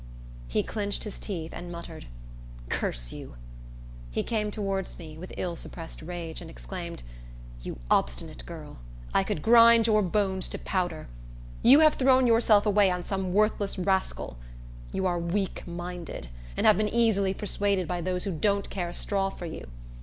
He clinched his teeth, and muttered, "Curse you!" He came towards me, with ill suppressed rage, and exclaimed, "You obstinate girl! I could grind your bones to powder! You have thrown yourself away on some worthless rascal. You are weak minded, and have been easily persuaded by those who don't care a straw for you.